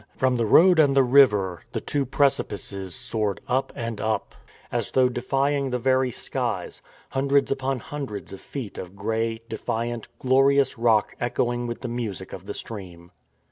From the road and the river the two precipices soared up and up, as though defying the very skies — ^hundreds upon hundreds of feet of grey, defiant, glorious rock echoing with the music of the stream.